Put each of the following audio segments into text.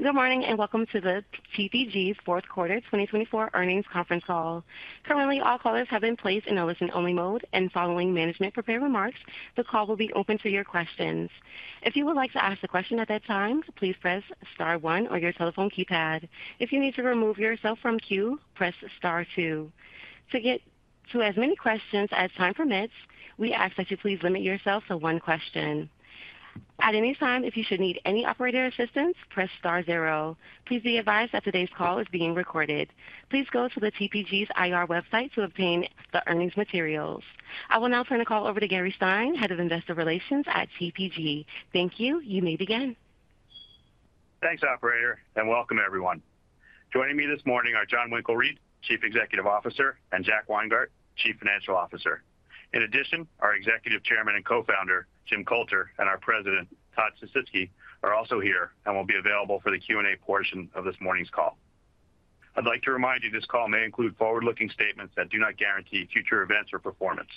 Good morning and welcome to the TPG's fourth quarter 2024 earnings conference call. Currently, all callers have been placed in a listen-only mode, and following management prepared remarks, the call will be open to your questions. If you would like to ask a question at that time, please press star one on your telephone keypad. If you need to remove yourself from queue, press star two. To get to as many questions as time permits, we ask that you please limit yourself to one question. At any time, if you should need any operator assistance, press star zero. Please be advised that today's call is being recorded. Please go to the TPG's IR website to obtain the earnings materials. I will now turn the call over to Gary Stein, Head of Investor Relations at TPG. Thank you. You may begin. Thanks, Operator, and welcome everyone. Joining me this morning are Jon Winkelried, Chief Executive Officer, and Jack Weingart, Chief Financial Officer. In addition, our Executive Chairman and Co-founder, Jim Coulter, and our President, Todd Sisitsky, are also here and will be available for the Q&A portion of this morning's call. I'd like to remind you this call may include forward-looking statements that do not guarantee future events or performance.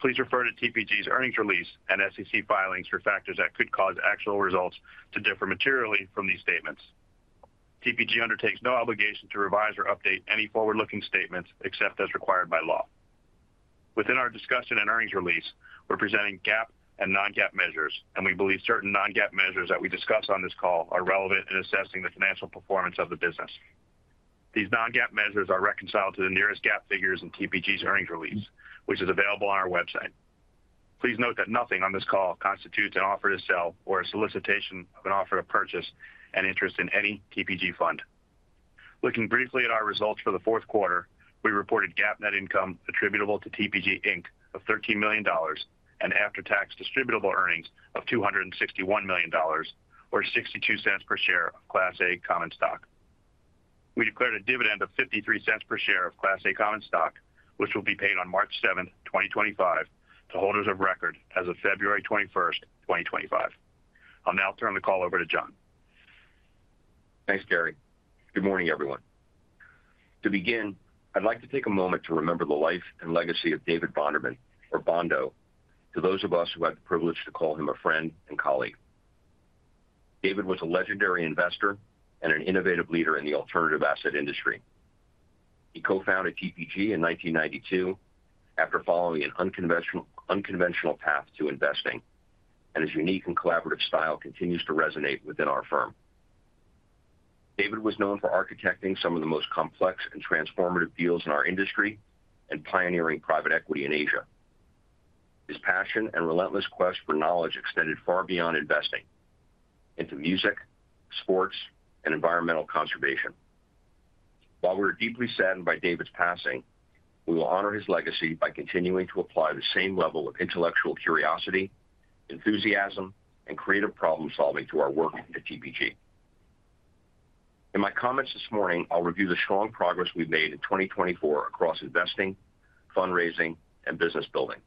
Please refer to TPG's earnings release and SEC filings for factors that could cause actual results to differ materially from these statements. TPG undertakes no obligation to revise or update any forward-looking statements except as required by law. Within our discussion and earnings release, we're presenting GAAP and non-GAAP measures, and we believe certain non-GAAP measures that we discuss on this call are relevant in assessing the financial performance of the business. These non-GAAP measures are reconciled to the nearest GAAP figures in TPG's earnings release, which is available on our website. Please note that nothing on this call constitutes an offer to sell or a solicitation of an offer to purchase an interest in any TPG fund. Looking briefly at our results for the fourth quarter, we reported GAAP net income attributable to TPG Inc. of $13 million and after-tax distributable earnings of $261 million, or $0.62 per share of Class A common stock. We declared a dividend of $0.53 per share of Class A common stock, which will be paid on March 7th, 2025, to holders of record as of February 21st, 2025. I'll now turn the call over to Jon. Thanks, Gary. Good morning, everyone. To begin, I'd like to take a moment to remember the life and legacy of David Bonderman, or Bondo, to those of us who had the privilege to call him a friend and colleague. David was a legendary investor and an innovative leader in the alternative asset industry. He co-founded TPG in 1992 after following an unconventional path to investing, and his unique and collaborative style continues to resonate within our firm. David was known for architecting some of the most complex and transformative deals in our industry and pioneering private equity in Asia. His passion and relentless quest for knowledge extended far beyond investing into music, sports, and environmental conservation. While we are deeply saddened by David's passing, we will honor his legacy by continuing to apply the same level of intellectual curiosity, enthusiasm, and creative problem-solving to our work at TPG. In my comments this morning, I'll review the strong progress we've made in 2024 across investing, fundraising, and business building.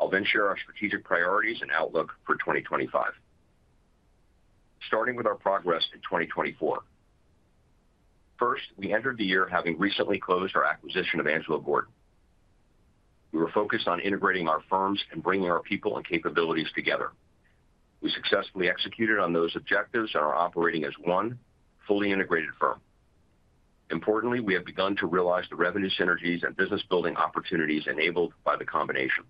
I'll then share our strategic priorities and outlook for 2025. Starting with our progress in 2024, first, we entered the year having recently closed our acquisition of Angelo Gordon. We were focused on integrating our firms and bringing our people and capabilities together. We successfully executed on those objectives and are operating as one fully integrated firm. Importantly, we have begun to realize the revenue synergies and business-building opportunities enabled by the combination.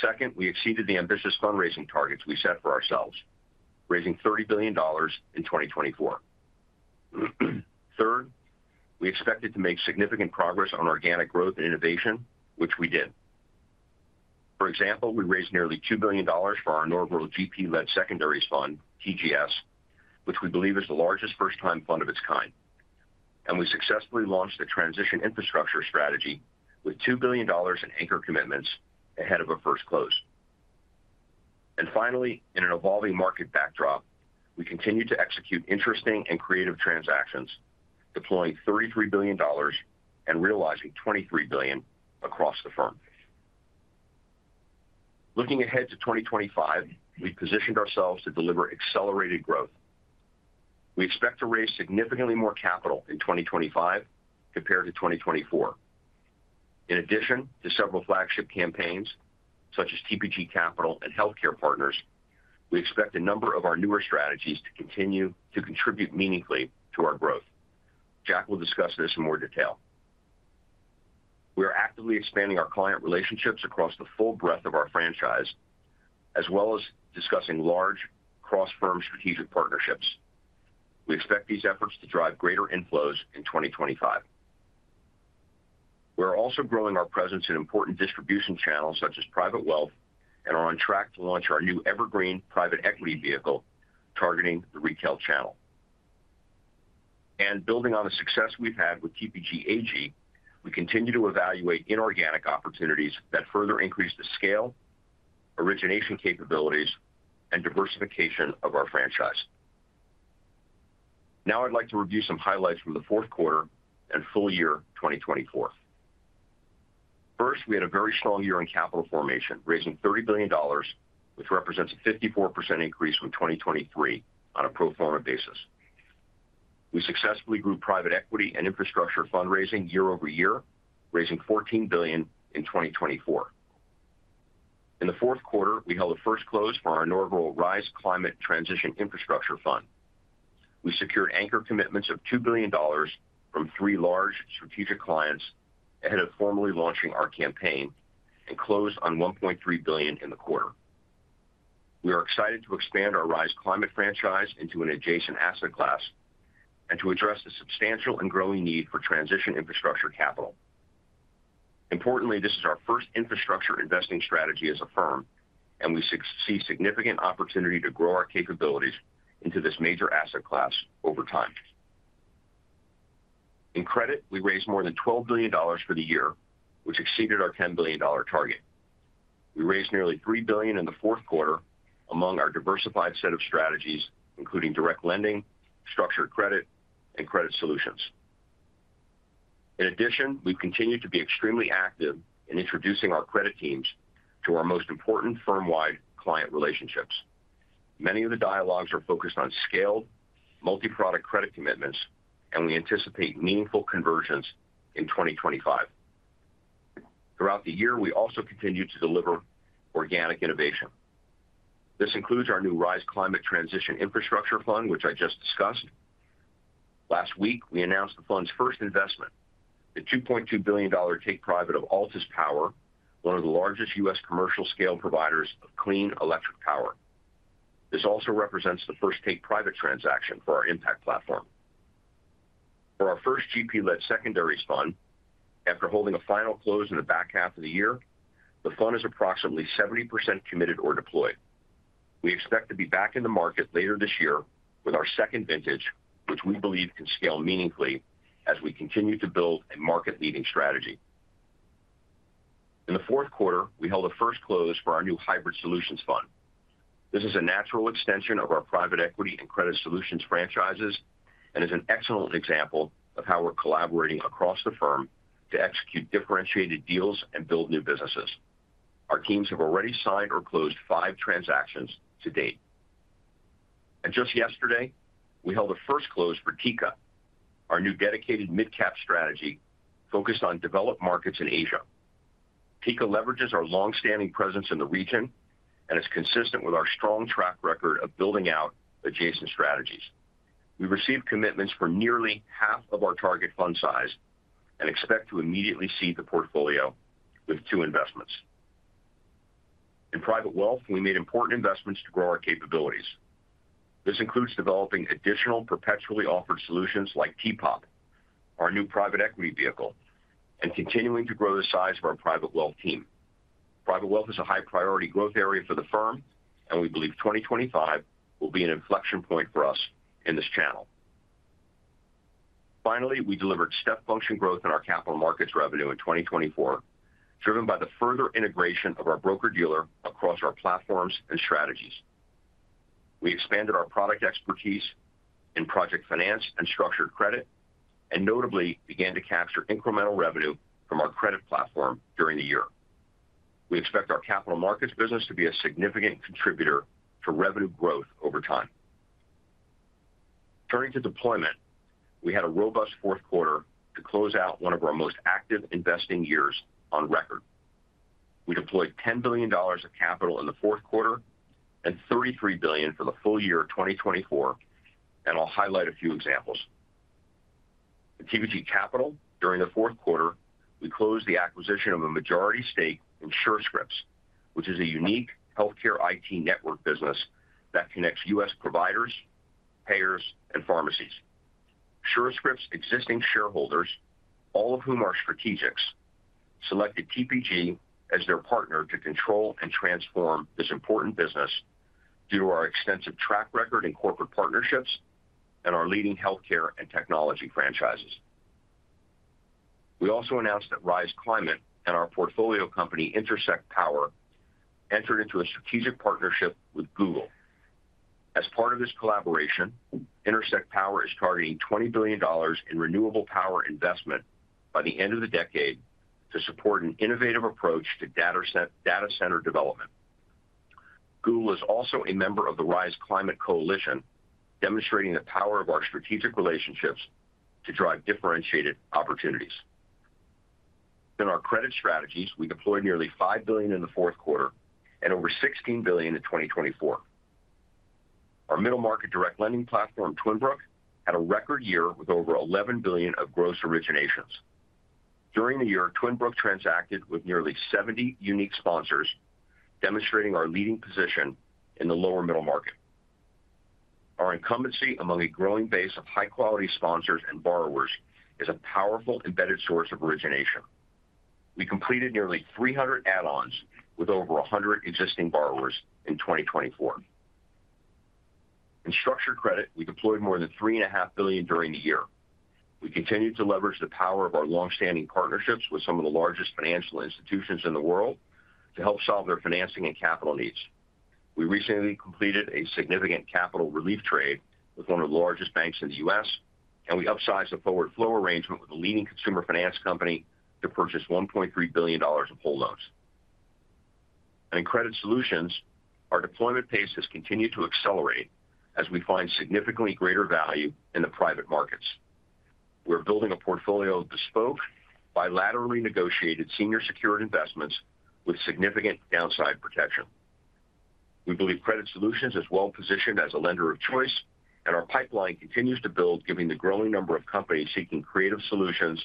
Second, we exceeded the ambitious fundraising targets we set for ourselves, raising $30 billion in 2024. Third, we expected to make significant progress on organic growth and innovation, which we did. For example, we raised nearly $2 billion for our inaugural GP-led secondaries fund, TGS, which we believe is the largest first-time fund of its kind. We successfully launched the transition infrastructure strategy with $2 billion in anchor commitments ahead of a first close. Finally, in an evolving market backdrop, we continue to execute interesting and creative transactions, deploying $33 billion and realizing $23 billion across the firm. Looking ahead to 2025, we've positioned ourselves to deliver accelerated growth. We expect to raise significantly more capital in 2025 compared to 2024. In addition to several flagship campaigns such as TPG Capital and Healthcare Partners, we expect a number of our newer strategies to continue to contribute meaningfully to our growth. Jack will discuss this in more detail. We are actively expanding our client relationships across the full breadth of our franchise, as well as discussing large cross-firm strategic partnerships. We expect these efforts to drive greater inflows in 2025. We are also growing our presence in important distribution channels such as private wealth and are on track to launch our new evergreen private equity vehicle targeting the retail channel, and building on the success we've had with TPG AG, we continue to evaluate inorganic opportunities that further increase the scale, origination capabilities, and diversification of our franchise. Now I'd like to review some highlights from the fourth quarter and full year 2024. First, we had a very strong year in capital formation, raising $30 billion, which represents a 54% increase from 2023 on a pro forma basis. We successfully grew private equity and infrastructure fundraising year over year, raising $14 billion in 2024. In the fourth quarter, we held a first close for our inaugural Rise Climate Transition Infrastructure Fund. We secured anchor commitments of $2 billion from three large strategic clients ahead of formally launching our campaign and closed on $1.3 billion in the quarter. We are excited to expand our Rise Climate franchise into an adjacent asset class and to address the substantial and growing need for transition infrastructure capital. Importantly, this is our first infrastructure investing strategy as a firm, and we see significant opportunity to grow our capabilities into this major asset class over time. In credit, we raised more than $12 billion for the year, which exceeded our $10 billion target. We raised nearly $3 billion in the fourth quarter among our diversified set of strategies, including direct lending, structured credit, and credit solutions. In addition, we've continued to be extremely active in introducing our credit teams to our most important firm-wide client relationships. Many of the dialogues are focused on scaled multi-product credit commitments, and we anticipate meaningful conversions in 2025. Throughout the year, we also continue to deliver organic innovation. This includes our new Rise Climate Transition Infrastructure Fund, which I just discussed. Last week, we announced the fund's first investment, the $2.2 billion take-private of Altus Power, one of the largest U.S. commercial-scale providers of clean electric power. This also represents the first take-private transaction for our Impact platform. For our first GP-led secondaries fund, after holding a final close in the back half of the year, the fund is approximately 70% committed or deployed. We expect to be back in the market later this year with our second vintage, which we believe can scale meaningfully as we continue to build a market-leading strategy. In the fourth quarter, we held a first close for our new Hybrid Solutions Fund. This is a natural extension of our private equity and credit solutions franchises and is an excellent example of how we're collaborating across the firm to execute differentiated deals and build new businesses. Our teams have already signed or closed five transactions to date, and just yesterday, we held a first close for Tica, our new dedicated mid-cap strategy focused on developed markets in Asia. Tica leverages our long-standing presence in the region and is consistent with our strong track record of building out adjacent strategies. We received commitments for nearly half of our target fund size and expect to immediately seed the portfolio with two investments. In private wealth, we made important investments to grow our capabilities. This includes developing additional perpetually offered solutions like TPEP, our new private equity vehicle, and continuing to grow the size of our private wealth team. Private wealth is a high-priority growth area for the firm, and we believe 2025 will be an inflection point for us in this channel. Finally, we delivered step function growth in our capital markets revenue in 2024, driven by the further integration of our broker-dealer across our platforms and strategies. We expanded our product expertise in project finance and structured credit, and notably began to capture incremental revenue from our credit platform during the year. We expect our capital markets business to be a significant contributor to revenue growth over time. Turning to deployment, we had a robust fourth quarter to close out one of our most active investing years on record. We deployed $10 billion of capital in the fourth quarter and $33 billion for the full year 2024, and I'll highlight a few examples. At TPG Capital, during the fourth quarter, we closed the acquisition of a majority stake in Surescripts, which is a unique healthcare IT network business that connects U.S. providers, payers, and pharmacies. Surescripts' existing shareholders, all of whom are strategics, selected TPG as their partner to control and transform this important business due to our extensive track record in corporate partnerships and our leading healthcare and technology franchises. We also announced that RISE Climate and our portfolio company, Intersect Power, entered into a strategic partnership with Google. As part of this collaboration, Intersect Power is targeting $20 billion in renewable power investment by the end of the decade to support an innovative approach to data center development. Google is also a member of the RISE Climate Coalition, demonstrating the power of our strategic relationships to drive differentiated opportunities. In our credit strategies, we deployed nearly $5 billion in the fourth quarter and over $16 billion in 2024. Our middle market direct lending platform, Twin Brook, had a record year with over $11 billion of gross originations. During the year, Twin Brook transacted with nearly 70 unique sponsors, demonstrating our leading position in the lower middle market. Our incumbency among a growing base of high-quality sponsors and borrowers is a powerful embedded source of origination. We completed nearly 300 add-ons with over 100 existing borrowers in 2024. In structured credit, we deployed more than $3.5 billion during the year. We continue to leverage the power of our long-standing partnerships with some of the largest financial institutions in the world to help solve their financing and capital needs. We recently completed a significant capital relief trade with one of the largest banks in the U.S., and we upsized the forward flow arrangement with a leading consumer finance company to purchase $1.3 billion of whole loans, and in credit solutions, our deployment pace has continued to accelerate as we find significantly greater value in the private markets. We're building a portfolio of bespoke, bilaterally negotiated senior secured investments with significant downside protection. We believe credit solutions are as well positioned as a lender of choice, and our pipeline continues to build, giving the growing number of companies seeking creative solutions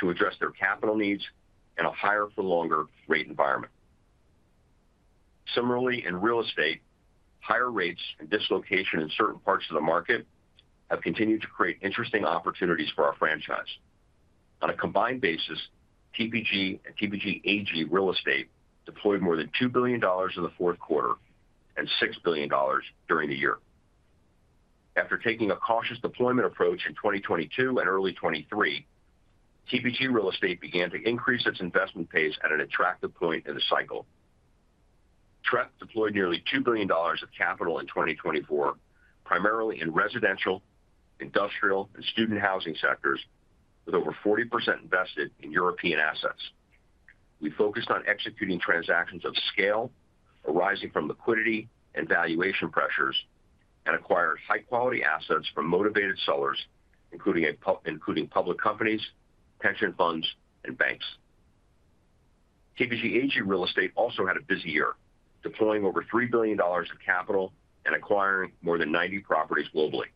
to address their capital needs in a higher-for-longer rate environment. Similarly, in real estate, higher rates and dislocation in certain parts of the market have continued to create interesting opportunities for our franchise. On a combined basis, TPG and TPG AG real estate deployed more than $2 billion in the fourth quarter and $6 billion during the year. After taking a cautious deployment approach in 2022 and early 2023, TPG Real Estate began to increase its investment pace at an attractive point in the cycle. TREP deployed nearly $2 billion of capital in 2024, primarily in residential, industrial, and student housing sectors, with over 40% invested in European assets. We focused on executing transactions of scale, arising from liquidity and valuation pressures, and acquired high-quality assets from motivated sellers, including public companies, pension funds, and banks. TPG AG Real Estate also had a busy year, deploying over $3 billion of capital and acquiring more than 90 properties globally.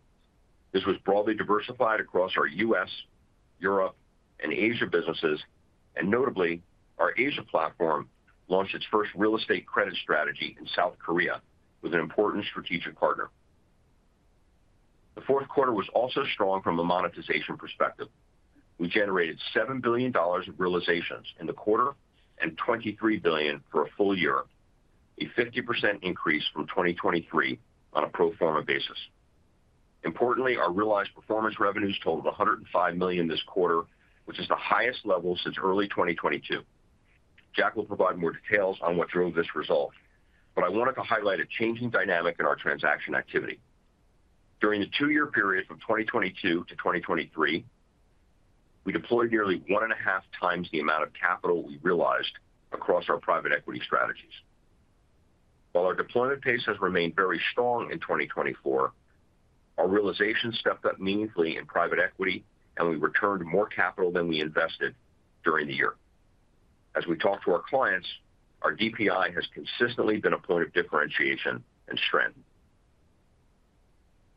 This was broadly diversified across our U.S., Europe, and Asia businesses, and notably, our Asia platform launched its first real estate credit strategy in South Korea with an important strategic partner. The fourth quarter was also strong from a monetization perspective. We generated $7 billion of realizations in the quarter and $23 billion for a full year, a 50% increase from 2023 on a pro forma basis. Importantly, our realized performance revenues totaled $105 million this quarter, which is the highest level since early 2022. Jack will provide more details on what drove this result, but I wanted to highlight a changing dynamic in our transaction activity. During the two-year period from 2022 to 2023, we deployed nearly one and a half times the amount of capital we realized across our private equity strategies. While our deployment pace has remained very strong in 2024, our realizations stepped up meaningfully in private equity, and we returned more capital than we invested during the year. As we talk to our clients, our DPI has consistently been a point of differentiation and strength.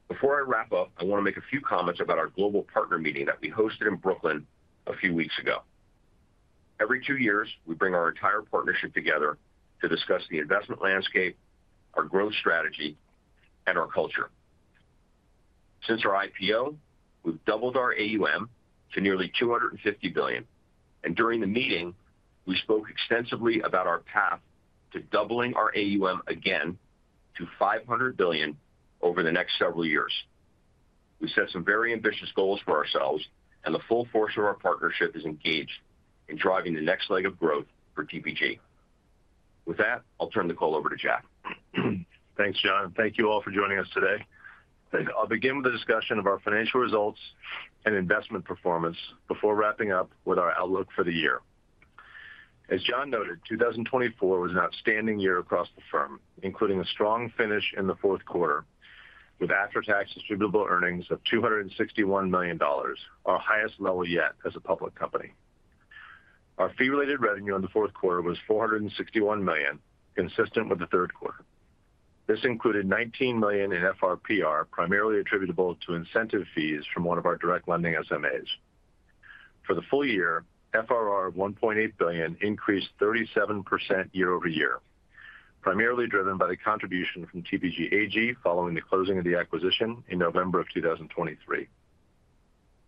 Before I wrap up, I want to make a few comments about our global partner meeting that we hosted in Brooklyn a few weeks ago. Every two years, we bring our entire partnership together to discuss the investment landscape, our growth strategy, and our culture. Since our IPO, we've doubled our AUM to nearly $250 billion, and during the meeting, we spoke extensively about our path to doubling our AUM again to $500 billion over the next several years. We set some very ambitious goals for ourselves, and the full force of our partnership is engaged in driving the next leg of growth for TPG. With that, I'll turn the call over to Jack. Thanks, Jon. Thank you all for joining us today. I'll begin with a discussion of our financial results and investment performance before wrapping up with our outlook for the year. As Jon noted, 2024 was an outstanding year across the firm, including a strong finish in the fourth quarter, with after-tax distributable earnings of $261 million, our highest level yet as a public company. Our fee-related revenue in the fourth quarter was $461 million, consistent with the third quarter. This included $19 million in FRPR, primarily attributable to incentive fees from one of our direct lending SMAs. For the full year, FRR of $1.8 billion increased 37% year over year, primarily driven by the contribution from TPG Angelo Gordon following the closing of the acquisition in November of 2023.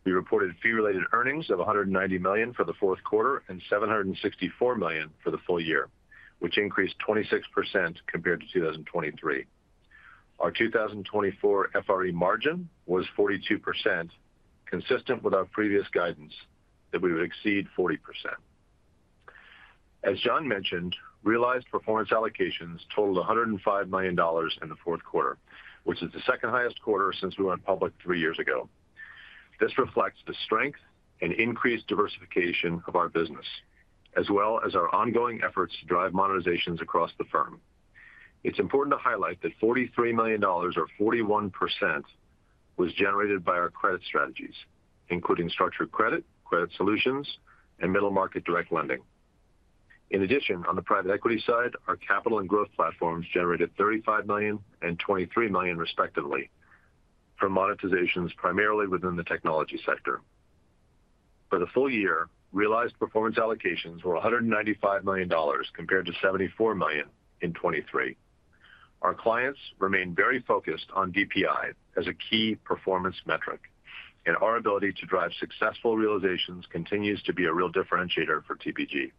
We reported fee-related earnings of $190 million for the fourth quarter and $764 million for the full year, which increased 26% compared to 2023. Our 2024 FRE margin was 42%, consistent with our previous guidance that we would exceed 40%. As Jon mentioned, realized performance allocations totaled $105 million in the fourth quarter, which is the second highest quarter since we went public three years ago. This reflects the strength and increased diversification of our business, as well as our ongoing efforts to drive monetizations across the firm. It's important to highlight that $43 million, or 41%, was generated by our credit strategies, including structured credit, credit solutions, and middle market direct lending. In addition, on the private equity side, our capital and growth platforms generated $35 million and $23 million, respectively, from monetizations primarily within the technology sector. For the full year, realized performance allocations were $195 million compared to $74 million in 2023. Our clients remain very focused on DPI as a key performance metric, and our ability to drive successful realizations continues to be a real differentiator for TPG.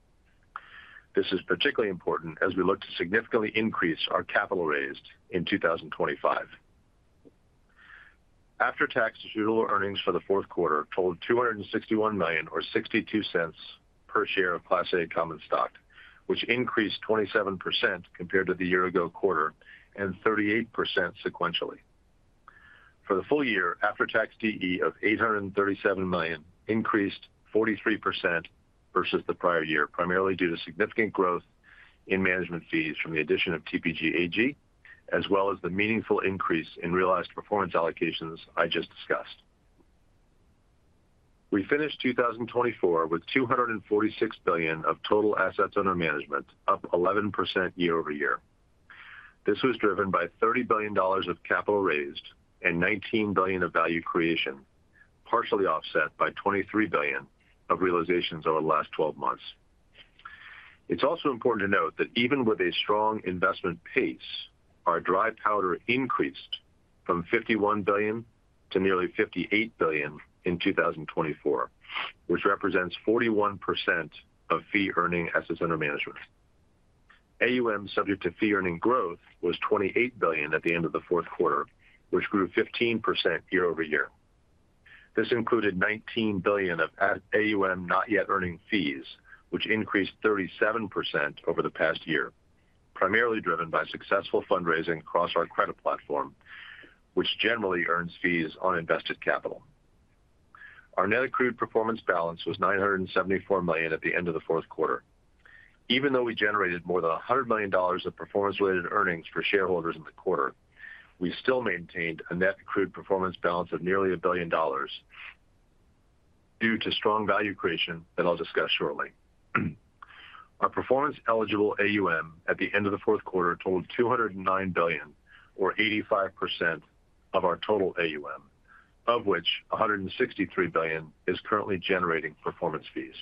This is particularly important as we look to significantly increase our capital raised in 2025. After-tax distributable earnings for the fourth quarter totaled $261 million, or $0.62 per share of Class A Common Stock, which increased 27% compared to the year-ago quarter and 38% sequentially. For the full year, after-tax DE of $837 million increased 43% versus the prior year, primarily due to significant growth in management fees from the addition of TPG AG, as well as the meaningful increase in realized performance allocations I just discussed. We finished 2024 with $246 billion of total assets under management, up 11% year over year. This was driven by $30 billion of capital raised and $19 billion of value creation, partially offset by $23 billion of realizations over the last 12 months. It's also important to note that even with a strong investment pace, our dry powder increased from $51 billion to nearly $58 billion in 2024, which represents 41% of fee-earning assets under management. AUM subject to fee-earning growth was $28 billion at the end of the fourth quarter, which grew 15% year over year. This included $19 billion of AUM not yet earning fees, which increased 37% over the past year, primarily driven by successful fundraising across our credit platform, which generally earns fees on invested capital. Our net accrued performance balance was $974 million at the end of the fourth quarter. Even though we generated more than $100 million of performance-related earnings for shareholders in the quarter, we still maintained a net accrued performance balance of nearly $1 billion due to strong value creation that I'll discuss shortly. Our performance-eligible AUM at the end of the fourth quarter totaled $209 billion, or 85% of our total AUM, of which $163 billion is currently generating performance fees.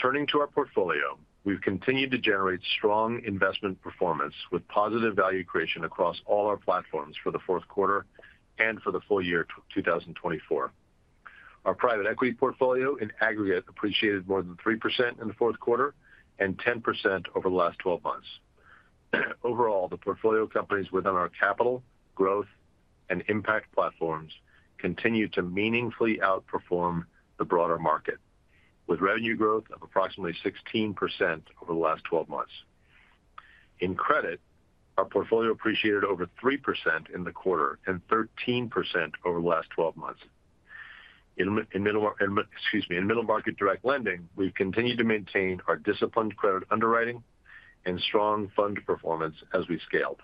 Turning to our portfolio, we've continued to generate strong investment performance with positive value creation across all our platforms for the fourth quarter and for the full year 2024. Our private equity portfolio in aggregate appreciated more than 3% in the fourth quarter and 10% over the last 12 months. Overall, the portfolio companies within our capital, growth, and impact platforms continue to meaningfully outperform the broader market, with revenue growth of approximately 16% over the last 12 months.In credit, our portfolio appreciated over 3% in the quarter and 13% over the last 12 months. In middle market direct lending, we've continued to maintain our disciplined credit underwriting and strong fund performance as we scaled.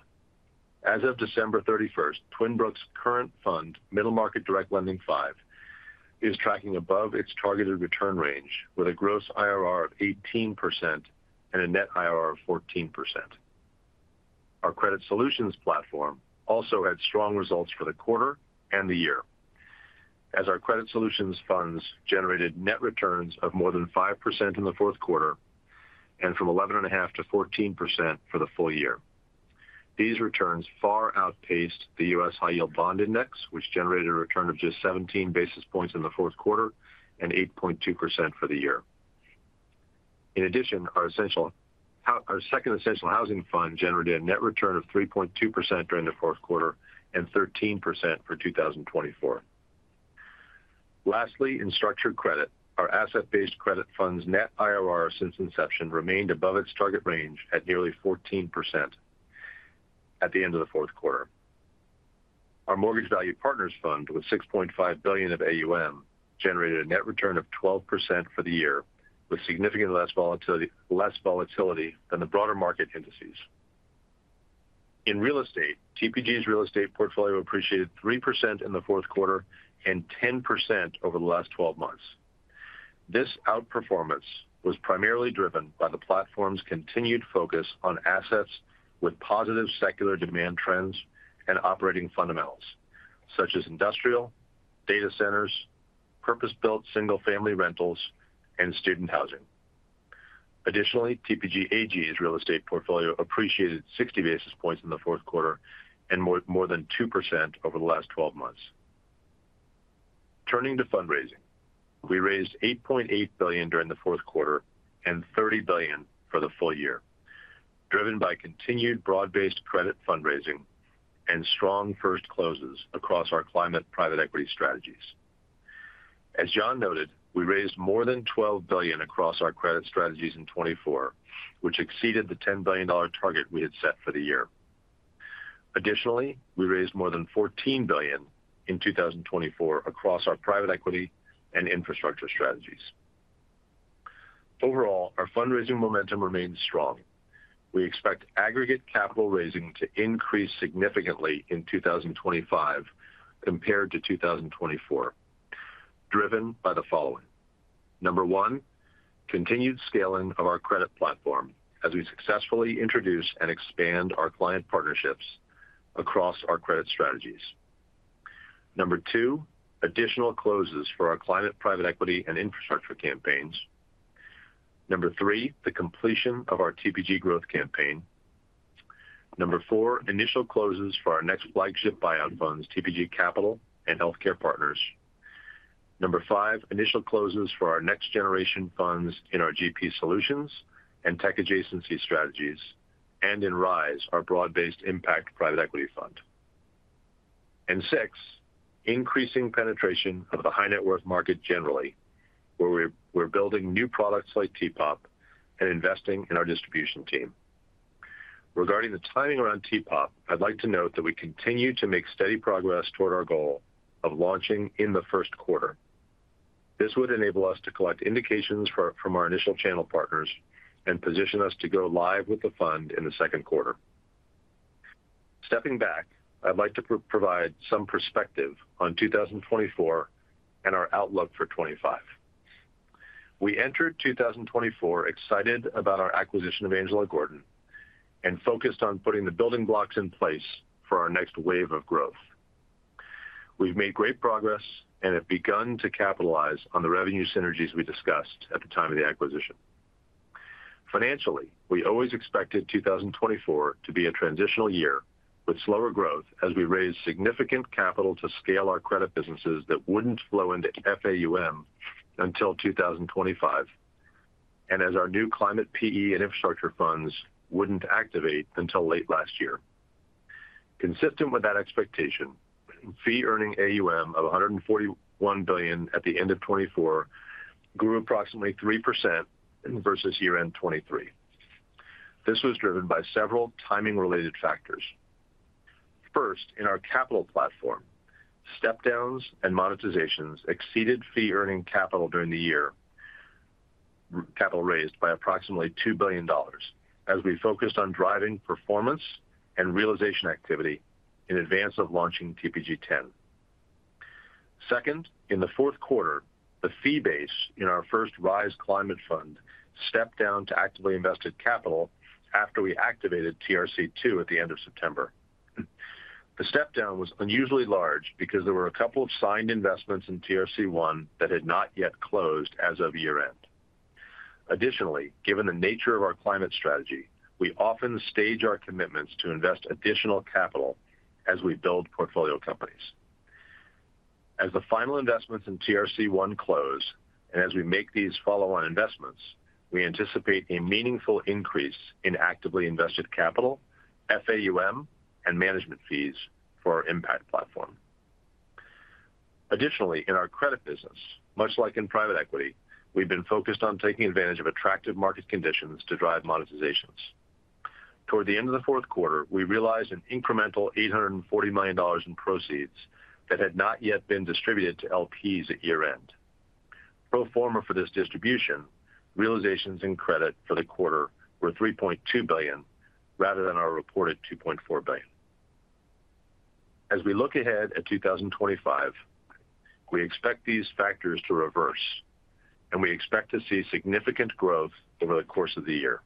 As of December 31st, Twin Brook's current fund, Middle Market Direct Lending 5, is tracking above its targeted return range with a gross IRR of 18% and a net IRR of 14%. Our credit solutions platform also had strong results for the quarter and the year, as our credit solutions funds generated net returns of more than 5% in the fourth quarter and from 11.5% to 14% for the full year. These returns far outpaced the U.S. High Yield Bond Index, which generated a return of just 17 basis points in the fourth quarter and 8.2% for the year. In addition, our second Essential Housing Fund generated a net return of 3.2% during the fourth quarter and 13% for 2024. Lastly, in structured credit, our asset-backed credit fund's net IRR since inception remained above its target range at nearly 14% at the end of the fourth quarter. Our Mortgage Value Partners fund with $6.5 billion of AUM generated a net return of 12% for the year, with significantly less volatility than the broader market indices. In real estate, TPG's real estate portfolio appreciated 3% in the fourth quarter and 10% over the last 12 months. This outperformance was primarily driven by the platform's continued focus on assets with positive secular demand trends and operating fundamentals, such as industrial, data centers, purpose-built single-family rentals, and student housing. Additionally, TPG AG's real estate portfolio appreciated 60 basis points in the fourth quarter and more than 2% over the last 12 months. Turning to fundraising, we raised $8.8 billion during the fourth quarter and $30 billion for the full year, driven by continued broad-based credit fundraising and strong first closes across our climate private equity strategies. As John noted, we raised more than $12 billion across our credit strategies in 2024, which exceeded the $10 billion target we had set for the year. Additionally, we raised more than $14 billion in 2024 across our private equity and infrastructure strategies. Overall, our fundraising momentum remains strong. We expect aggregate capital raising to increase significantly in 2025 compared to 2024, driven by the following: Number one, continued scaling of our credit platform as we successfully introduce and expand our client partnerships across our credit strategies. Number two, additional closes for our climate private equity and infrastructure campaigns. Number three, the completion of our TPG Growth campaign. Number four, initial closes for our next flagship buyout funds, TPG Capital and Healthcare Partners. Number five, initial closes for our next-generation funds in our GP Solutions and Tech Adjacency Strategies and in RISE, our broad-based impact private equity fund, and six, increasing penetration of the high-net-worth market generally, where we're building new products like TPEP and investing in our distribution team. Regarding the timing around TPEP, I'd like to note that we continue to make steady progress toward our goal of launching in the first quarter. This would enable us to collect indications from our initial channel partners and position us to go live with the fund in the second quarter. Stepping back, I'd like to provide some perspective on 2024 and our outlook for 2025. We entered 2024 excited about our acquisition of Angelo Gordon and focused on putting the building blocks in place for our next wave of growth. We've made great progress and have begun to capitalize on the revenue synergies we discussed at the time of the acquisition. Financially, we always expected 2024 to be a transitional year with slower growth as we raised significant capital to scale our credit businesses that wouldn't flow into FAUM until 2025, and as our new climate PE and infrastructure funds wouldn't activate until late last year. Consistent with that expectation, fee-earning AUM of $141 billion at the end of 2024 grew approximately 3% versus year-end 2023. This was driven by several timing-related factors. First, in our Capital platform, step-downs and monetizations exceeded fee-earning capital during the year. Capital raised by approximately $2 billion, as we focused on driving performance and realization activity in advance of launching TPG-10. Second, in the fourth quarter, the fee base in our first Rise climate fund stepped down to actively invested capital after we activated TRC2 at the end of September. The step-down was unusually large because there were a couple of signed investments in TRC1 that had not yet closed as of year-end. Additionally, given the nature of our climate strategy, we often stage our commitments to invest additional capital as we build portfolio companies. As the final investments in TRC1 close and as we make these follow-on investments, we anticipate a meaningful increase in actively invested capital, FAUM, and management fees for our impact platform. Additionally, in our credit business, much like in private equity, we've been focused on taking advantage of attractive market conditions to drive monetizations. Toward the end of the fourth quarter, we realized an incremental $840 million in proceeds that had not yet been distributed to LPs at year-end. Pro forma for this distribution, realizations in credit for the quarter were $3.2 billion rather than our reported $2.4 billion. As we look ahead at 2025, we expect these factors to reverse, and we expect to see significant growth over the course of the year.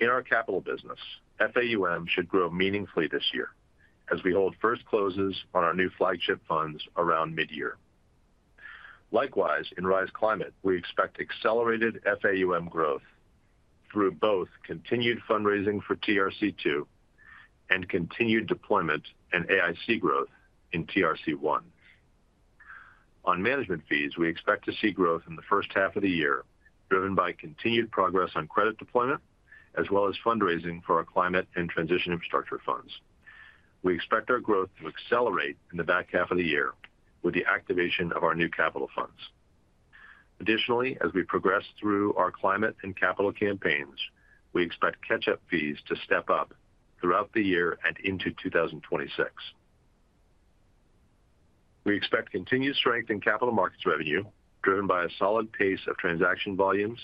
In our capital business, FAUM should grow meaningfully this year as we hold first closes on our new flagship funds around mid-year. Likewise, in Rise Climate, we expect accelerated FAUM growth through both continued fundraising for TRC2 and continued deployment and AIC growth in TRC1. On management fees, we expect to see growth in the first half of the year, driven by continued progress on credit deployment, as well as fundraising for our climate and transition infrastructure funds. We expect our growth to accelerate in the back half of the year with the activation of our new capital funds. Additionally, as we progress through our climate and capital campaigns, we expect catch-up fees to step up throughout the year and into 2026. We expect continued strength in capital markets revenue, driven by a solid pace of transaction volumes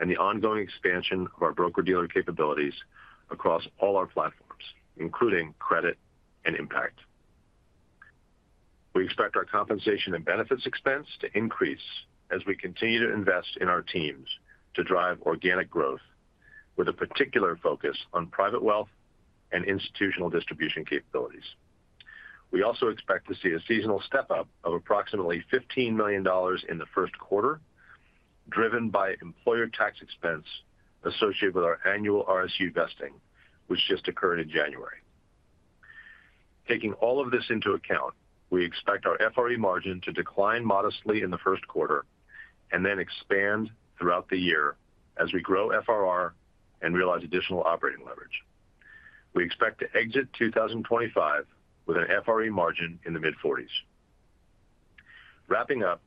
and the ongoing expansion of our broker-dealer capabilities across all our platforms, including credit and impact. We expect our compensation and benefits expense to increase as we continue to invest in our teams to drive organic growth, with a particular focus on private wealth and institutional distribution capabilities. We also expect to see a seasonal step-up of approximately $15 million in the first quarter, driven by employer tax expense associated with our annual RSU vesting, which just occurred in January. Taking all of this into account, we expect our FRE margin to decline modestly in the first quarter and then expand throughout the year as we grow FRR and realize additional operating leverage. We expect to exit 2025 with an FRE margin in the mid-40s. Wrapping up,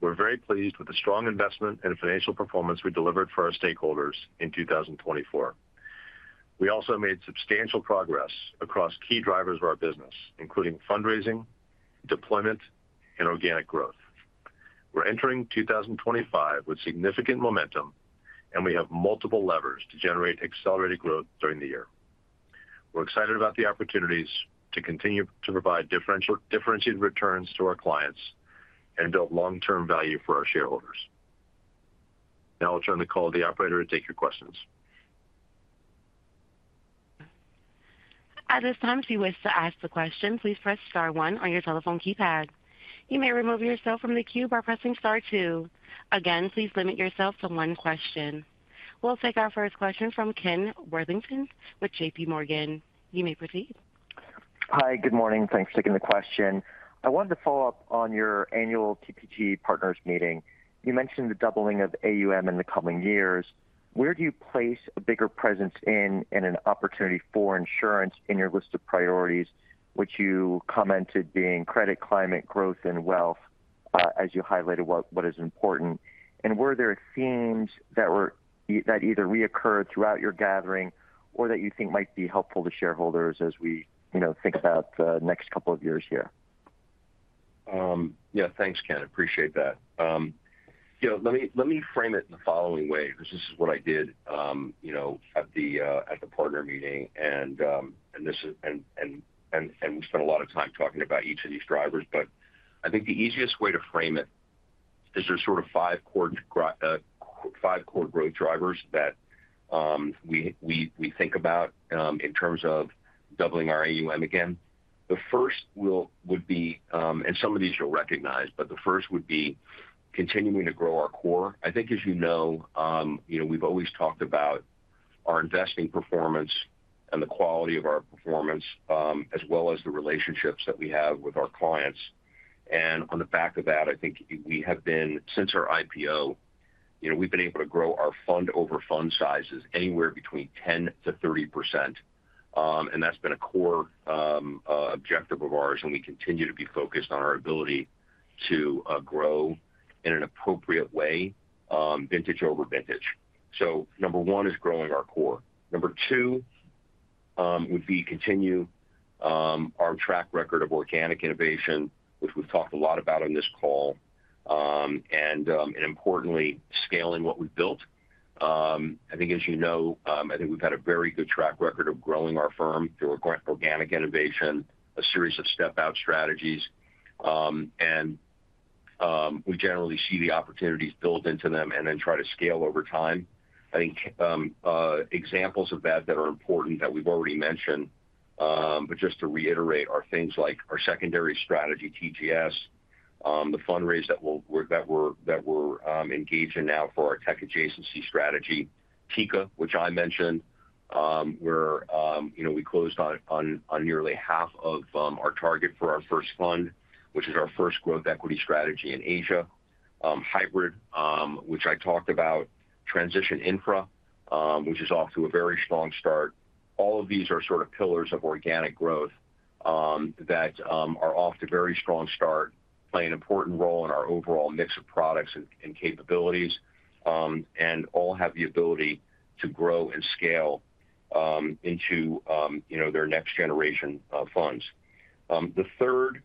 we're very pleased with the strong investment and financial performance we delivered for our stakeholders in 2024. We also made substantial progress across key drivers of our business, including fundraising, deployment, and organic growth. We're entering 2025 with significant momentum, and we have multiple levers to generate accelerated growth during the year. We're excited about the opportunities to continue to provide differentiated returns to our clients and build long-term value for our shareholders. Now I'll turn the call to the operator to take your questions. At this time, if you wish to ask a question, please press Star 1 on your telephone keypad. You may remove yourself from the queue by pressing Star 2. Again, please limit yourself to one question. We'll take our first question from Ken Worthington with JPMorgan. You may proceed. Hi, good morning. Thanks for taking the question. I wanted to follow up on your annual TPG Partners meeting. You mentioned the doubling of AUM in the coming years. Where do you place a bigger presence in and an opportunity for insurance in your list of priorities, which you commented being credit, climate, growth, and wealth, as you highlighted what is important? And were there themes that either reoccurred throughout your gathering or that you think might be helpful to shareholders as we think about the next couple of years here? Yeah, thanks, Ken. Appreciate that. Let me frame it in the following way, because this is what I did at the partner meeting. And we spent a lot of time talking about each of these drivers, but I think the easiest way to frame it is there's sort of five core growth drivers that we think about in terms of doubling our AUM again. The first would be, and some of these you'll recognize, but the first would be continuing to grow our core. I think, as you know, we've always talked about our investing performance and the quality of our performance, as well as the relationships that we have with our clients. On the back of that, I think we have been, since our IPO, we've been able to grow our fund-over-fund sizes anywhere between 10%-30%. That's been a core objective of ours, and we continue to be focused on our ability to grow in an appropriate way, vintage over vintage. Number one is growing our core. Number two would be to continue our track record of organic innovation, which we've talked a lot about on this call, and importantly, scaling what we've built. I think, as you know, I think we've had a very good track record of growing our firm through organic innovation, a series of step-out strategies, and we generally see the opportunities built into them and then try to scale over time. I think examples of that that are important that we've already mentioned, but just to reiterate, are things like our secondary strategy, TGS, the fundraise that we're engaged in now for our tech adjacency strategy, TTAD, which I mentioned, where we closed on nearly half of our target for our first fund, which is our first growth equity strategy in Asia, hybrid, which I talked about, transition infra, which is off to a very strong start. All of these are sort of pillars of organic growth that are off to a very strong start, play an important role in our overall mix of products and capabilities, and all have the ability to grow and scale into their next generation of funds. The third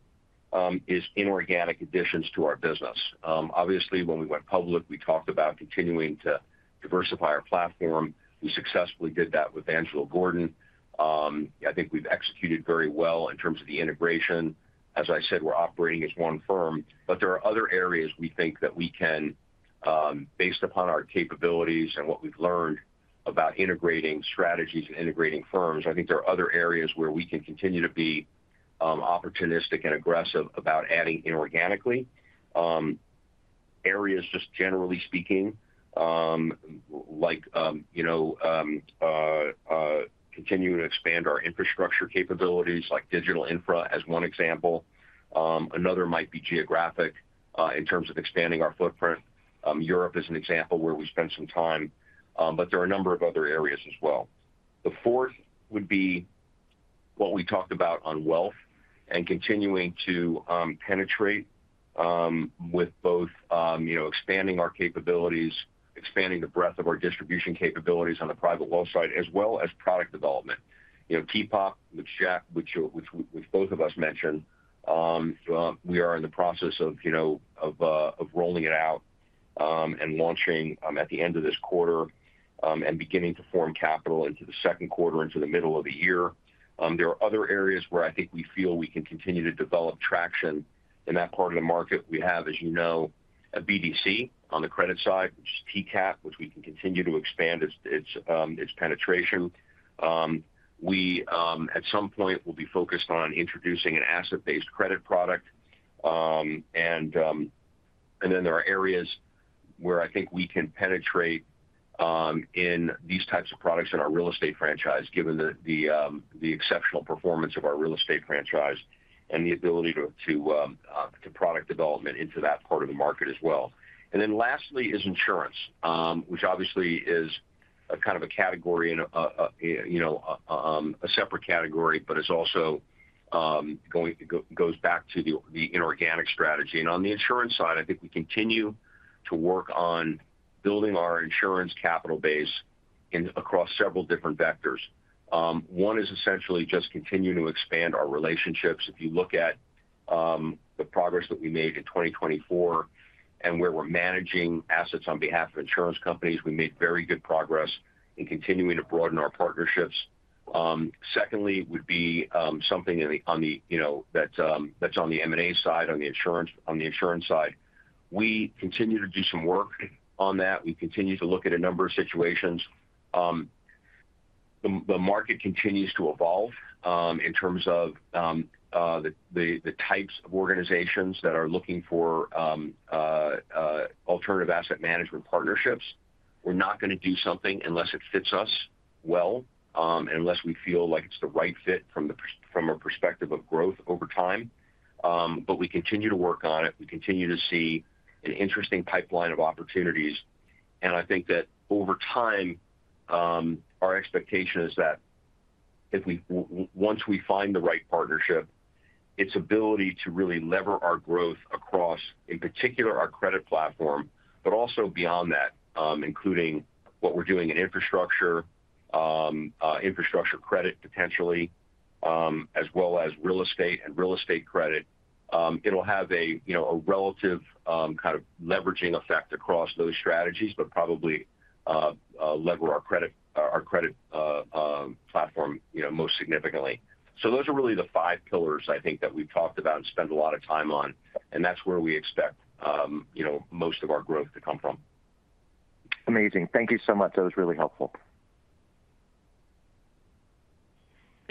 is inorganic additions to our business. Obviously, when we went public, we talked about continuing to diversify our platform. We successfully did that with Angelo Gordon. I think we've executed very well in terms of the integration. As I said, we're operating as one firm, but there are other areas we think that we can, based upon our capabilities and what we've learned about integrating strategies and integrating firms, I think there are other areas where we can continue to be opportunistic and aggressive about adding inorganically. Areas, just generally speaking, like continuing to expand our infrastructure capabilities, like digital infra as one example. Another might be geographic in terms of expanding our footprint. Europe is an example where we spend some time, but there are a number of other areas as well. The fourth would be what we talked about on wealth and continuing to penetrate with both expanding our capabilities, expanding the breadth of our distribution capabilities on the private wealth side, as well as product development. TPEP, which both of us mentioned, we are in the process of rolling it out and launching at the end of this quarter and beginning to form capital into the second quarter into the middle of the year. There are other areas where I think we feel we can continue to develop traction in that part of the market. We have, as you know, a BDC on the credit side, which is TCAP, which we can continue to expand its penetration. We, at some point, will be focused on introducing an asset-based credit product. And then there are areas where I think we can penetrate in these types of products in our real estate franchise, given the exceptional performance of our real estate franchise and the ability to do product development into that part of the market as well. And then lastly is insurance, which obviously is kind of a category and a separate category, but it also goes back to the inorganic strategy. And on the insurance side, I think we continue to work on building our insurance capital base across several different vectors. One is essentially just continuing to expand our relationships. If you look at the progress that we made in 2024 and where we're managing assets on behalf of insurance companies, we made very good progress in continuing to broaden our partnerships. Secondly would be something that's on the M&A side, on the insurance side. We continue to do some work on that. We continue to look at a number of situations. The market continues to evolve in terms of the types of organizations that are looking for alternative asset management partnerships. We're not going to do something unless it fits us well and unless we feel like it's the right fit from a perspective of growth over time. But we continue to work on it. We continue to see an interesting pipeline of opportunities. And I think that over time, our expectation is that once we find the right partnership, its ability to really lever our growth across, in particular, our credit platform, but also beyond that, including what we're doing in infrastructure, infrastructure credit potentially, as well as real estate and real estate credit. It'll have a relative kind of leveraging effect across those strategies, but probably lever our credit platform most significantly. So those are really the five pillars, I think, that we've talked about and spent a lot of time on. And that's where we expect most of our growth to come from. Amazing. Thank you so much. That was really helpful.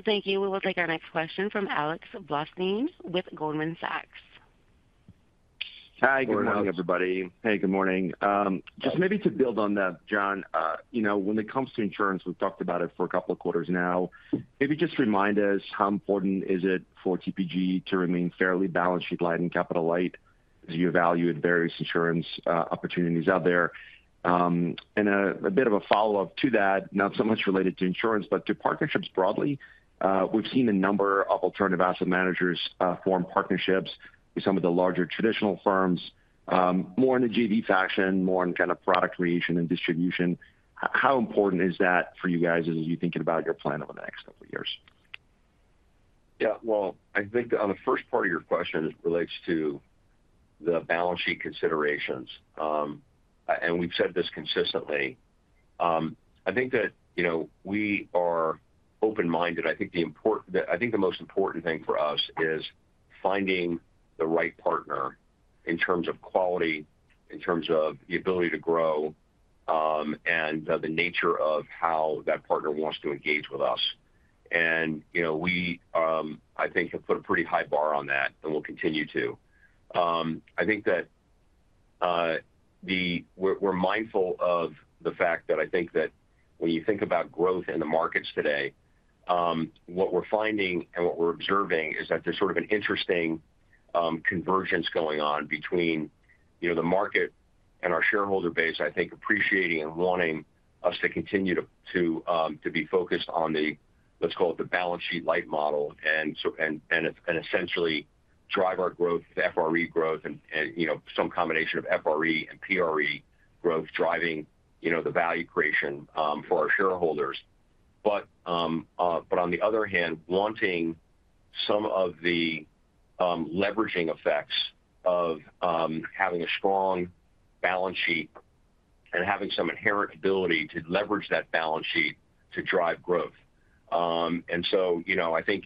Thank you. We will take our next question from Alexander Blostein with Goldman Sachs. Hi, good morning, everybody. Hey, good morning. Just maybe to build on that, Jon, when it comes to insurance, we've talked about it for a couple of quarters now. Maybe just remind us, how important is it for TPG to remain fairly balanced, sheet-light, and capital-light as you evaluate various insurance opportunities out there? And a bit of a follow-up to that, not so much related to insurance, but to partnerships broadly. We've seen a number of alternative asset managers form partnerships with some of the larger traditional firms, more in the JV fashion, more in kind of product creation and distribution. How important is that for you guys as you're thinking about your plan over the next couple of years? Yeah, well, I think the first part of your question relates to the balance sheet considerations. And we've said this consistently. I think that we are open-minded. I think the most important thing for us is finding the right partner in terms of quality, in terms of the ability to grow, and the nature of how that partner wants to engage with us. And we, I think, have put a pretty high bar on that, and we'll continue to. I think that we're mindful of the fact that I think that when you think about growth in the markets today, what we're finding and what we're observing is that there's sort of an interesting convergence going on between the market and our shareholder base, I think, appreciating and wanting us to continue to be focused on the, let's call it the balance sheet-light model and essentially drive our growth, FRE growth, and some combination of FRE and PRE growth, driving the value creation for our shareholders. But on the other hand, wanting some of the leveraging effects of having a strong balance sheet and having some inherent ability to leverage that balance sheet to drive growth. And so I think,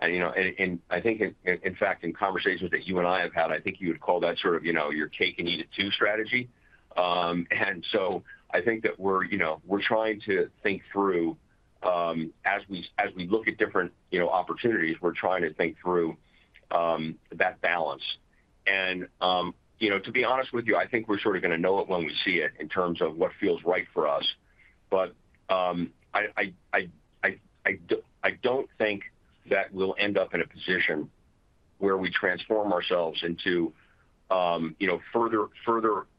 and I think, in fact, in conversations that you and I have had, I think you would call that sort of your cake and eat it too strategy. And so I think that we're trying to think through, as we look at different opportunities, we're trying to think through that balance. And to be honest with you, I think we're sort of going to know it when we see it in terms of what feels right for us. But I don't think that we'll end up in a position where we transform ourselves into further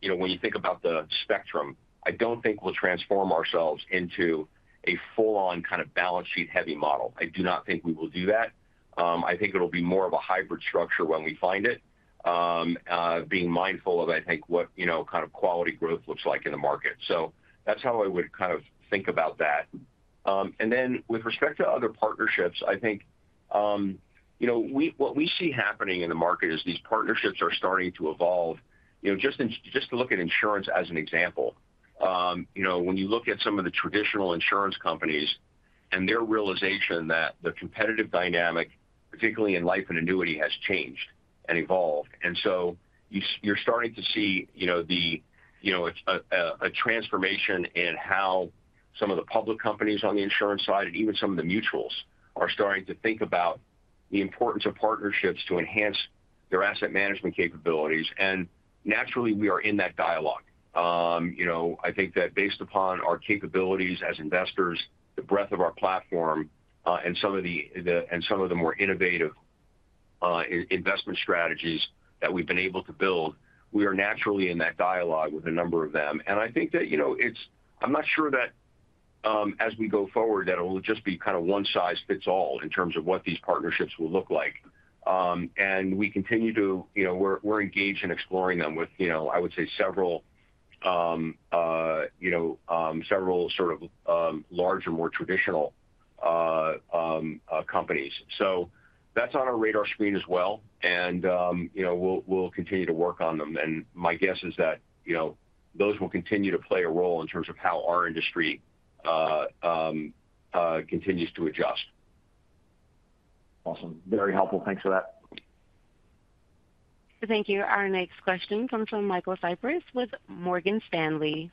when you think about the spectrum. I don't think we'll transform ourselves into a full-on kind of balance sheet-heavy model. I do not think we will do that. I think it'll be more of a hybrid structure when we find it, being mindful of, I think, what kind of quality growth looks like in the market. So that's how I would kind of think about that. And then with respect to other partnerships, I think what we see happening in the market is these partnerships are starting to evolve. Just to look at insurance as an example, when you look at some of the traditional insurance companies and their realization that the competitive dynamic, particularly in life and annuity, has changed and evolved. And so you're starting to see a transformation in how some of the public companies on the insurance side and even some of the mutuals are starting to think about the importance of partnerships to enhance their asset management capabilities. And naturally, we are in that dialogue. I think that based upon our capabilities as investors, the breadth of our platform, and some of the more innovative investment strategies that we've been able to build, we are naturally in that dialogue with a number of them. And I think that, I'm not sure that as we go forward, that it'll just be kind of one size fits all in terms of what these partnerships will look like. And we continue, we're engaged in exploring them with, I would say, several sort of larger more traditional companies. So that's on our radar screen as well. And we'll continue to work on them. And my guess is that those will continue to play a role in terms of how our industry continues to adjust. Awesome. Very helpful. Thanks for that. Thank you. Our next question comes from Michael Cyprys with Morgan Stanley.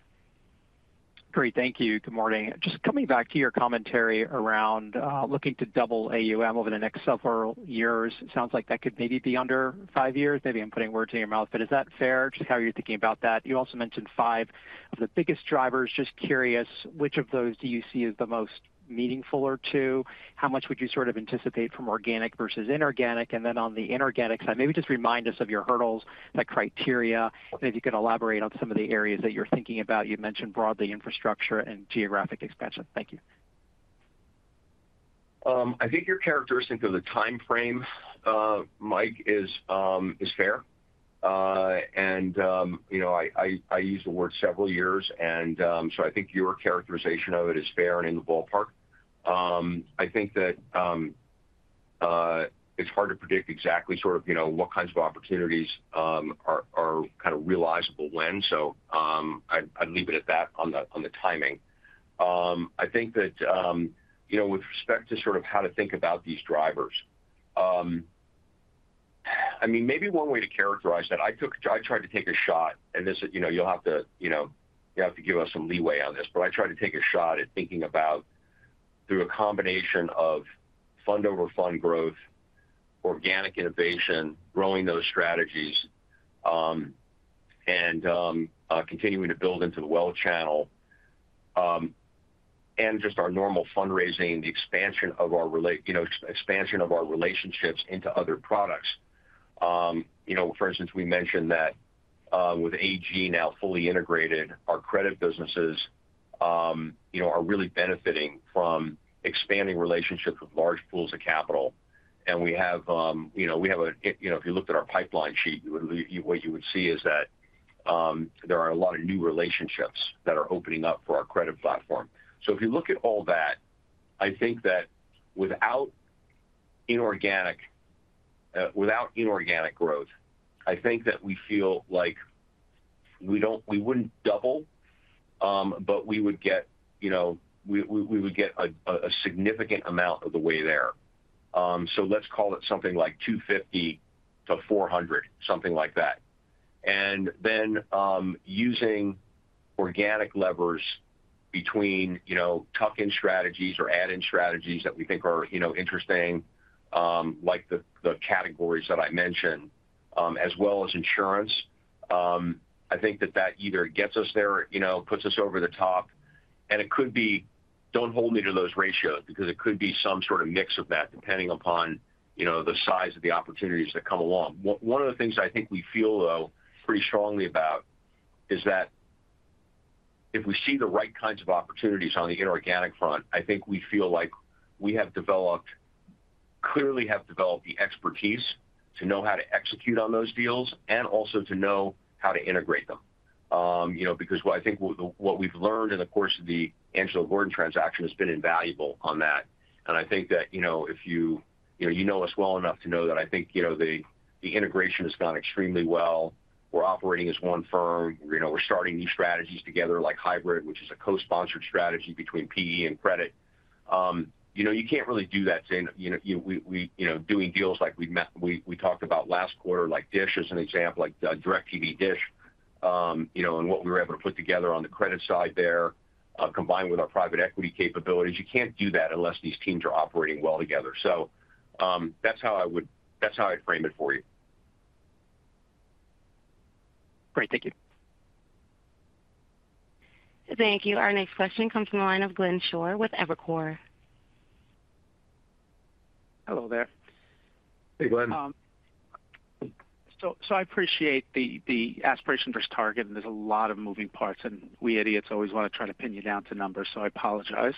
Great.Thank you. Good morning. Just coming back to your commentary around looking to double AUM over the next several years. It sounds like that could maybe be under five years. Maybe I'm putting words in your mouth, but is that fair? Just how are you thinking about that? You also mentioned five of the biggest drivers. Just curious, which of those do you see as the most meaningful or two? How much would you sort of anticipate from organic versus inorganic? And then on the inorganic side, maybe just remind us of your hurdles, that criteria, and if you can elaborate on some of the areas that you're thinking about. You mentioned broadly infrastructure and geographic expansion. Thank you. I think your characterization of the time frame, Mike, is fair. And I use the word several years. And so I think your characterization of it is fair and in the ballpark. I think that it's hard to predict exactly sort of what kinds of opportunities are kind of realizable when. So I'd leave it at that on the timing. I think that with respect to sort of how to think about these drivers, I mean, maybe one way to characterize that. I tried to take a shot, and this is, you'll have to give us some leeway on this, but I tried to take a shot at thinking about through a combination of fund-over-fund growth, organic innovation, growing those strategies, and continuing to build into the wealth channel, and just our normal fundraising, the expansion of our relationships into other products. For instance, we mentioned that with AG now fully integrated, our credit businesses are really benefiting from expanding relationships with large pools of capital. And, if you looked at our pipeline sheet, what you would see is that there are a lot of new relationships that are opening up for our credit platform. So if you look at all that, I think that without inorganic growth, I think that we feel like we wouldn't double, but we would get a significant amount of the way there. So let's call it something like 250 to 400, something like that. And then using organic levers between tuck-in strategies or add-in strategies that we think are interesting, like the categories that I mentioned, as well as insurance, I think that that either gets us there, puts us over the top. And it could be, don't hold me to those ratios because it could be some sort of mix of that, depending upon the size of the opportunities that come along. One of the things I think we feel, though, pretty strongly about is that if we see the right kinds of opportunities on the inorganic front, I think we feel like we have developed, clearly have developed the expertise to know how to execute on those deals and also to know how to integrate them. Because I think what we've learned in the course of the Angelo Gordon transaction has been invaluable on that. And I think that if you know us well enough to know that I think the integration has gone extremely well. We're operating as one firm. We're starting new strategies together, like hybrid, which is a co-sponsored strategy between PE and credit. You can't really do that in doing deals like we talked about last quarter, like DISH, as an example, like DIRECTV DISH, and what we were able to put together on the credit side there, combined with our private equity capabilities. You can't do that unless these teams are operating well together. So that's how I'd frame it for you. Great. Thank you. Thank you. Our next question comes from the line of Glenn Schorr with Evercore. Hello there. Hey, Glenn. So I appreciate the aspiration versus target, and there's a lot of moving parts, and we idiots always want to try to pin you down to numbers, so I apologize.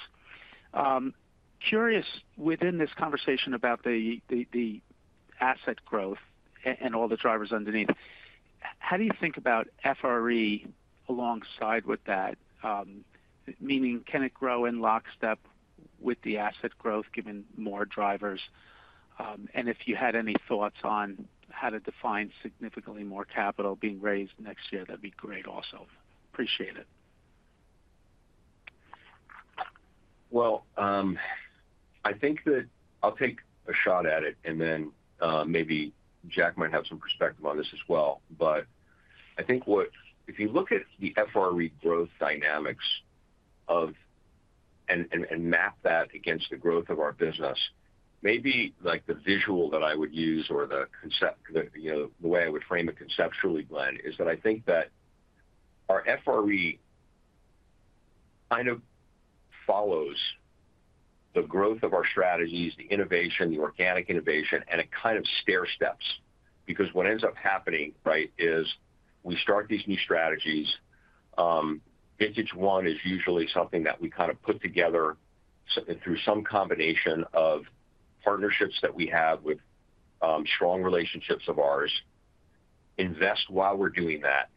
Curious, within this conversation about the asset growth and all the drivers underneath, how do you think about FRE alongside with that? Meaning, can it grow in lockstep with the asset growth, given more drivers? And if you had any thoughts on how to define significantly more capital being raised next year, that'd be great also. Appreciate it. Well, I think that I'll take a shot at it, and then maybe Jack might have some perspective on this as well. But I think if you look at the FRE growth dynamics and map that against the growth of our business, maybe the visual that I would use or the way I would frame it conceptually, Glenn, is that I think that our FRE kind of follows the growth of our strategies, the innovation, the organic innovation, and it kind of stair steps. Because what ends up happening, right, is we start these new strategies. Vintage one is usually something that we kind of put together through some combination of partnerships that we have with strong relationships of ours, invest while we're doing that,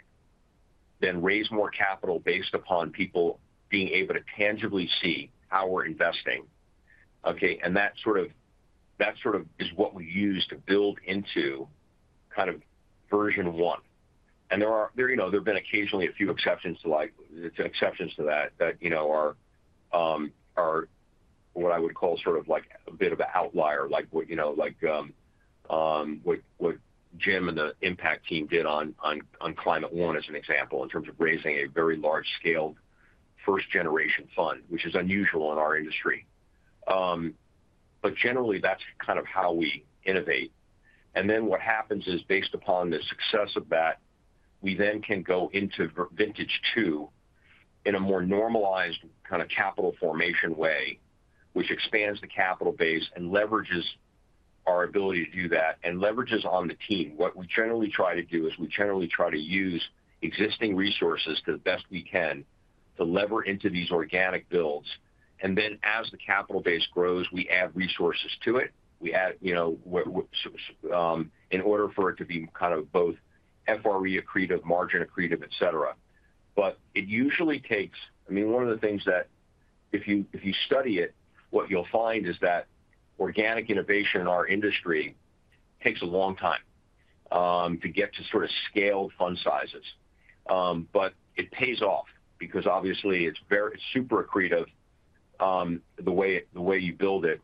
then raise more capital based upon people being able to tangibly see how we're investing. Okay? That sort of is what we use to build into kind of version one. There have been occasionally a few exceptions to that that are what I would call sort of a bit of an outlier, like what Jim and the impact team did on climate 1 as an example in terms of raising a very large-scaled first-generation fund, which is unusual in our industry. Generally, that's kind of how we innovate. And then what happens is, based upon the success of that, we then can go into vintage two in a more normalized kind of capital formation way, which expands the capital base and leverages our ability to do that and leverages on the team. What we generally try to do is we generally try to use existing resources to the best we can to lever into these organic builds. And then as the capital base grows, we add resources to it in order for it to be kind of both FRE accretive, margin accretive, etc. But it usually takes I mean, one of the things that if you study it, what you'll find is that organic innovation in our industry takes a long time to get to sort of scaled fund sizes. But it pays off because, obviously, it's super accretive, the way you build it.